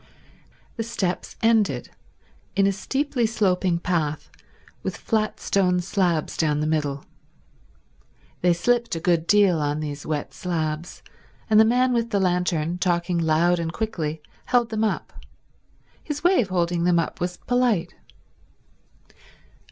The steps ended in a steeply sloping path with flat stone slabs down the middle. They slipped a good deal on these wet slabs, and the man with the lantern, talking loud and quickly, held them up. His way of holding them up was polite.